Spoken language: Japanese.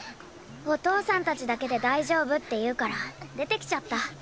お父さんたちだけで大丈夫って言うから出てきちゃった。